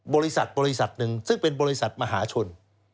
บริษัทบริษัทหนึ่งซึ่งเป็นบริษัทมหาชน